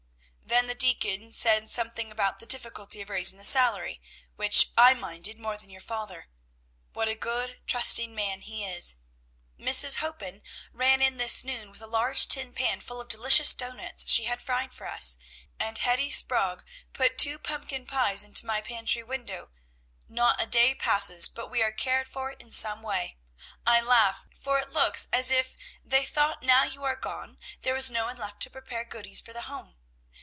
Then the deacon said something about the difficulty of raising the salary, which I minded more than your father. What a good, trusting man he is! Mrs. Hoppen ran in this noon with a large tin pan full of delicious doughnuts she had fried for us, and Hetty Sprague put two pumpkin pies into my pantry window. Not a day passes but we are cared for in some way. I laugh, for it looks as if they thought now you are gone there was no one left to prepare goodies for the home.